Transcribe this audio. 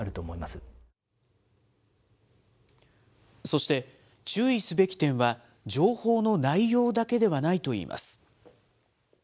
そして、注意すべき点は情報の内容だけではないといいます。